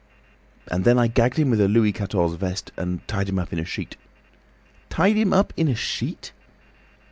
And then I gagged him with a Louis Quatorze vest and tied him up in a sheet." "Tied him up in a sheet!"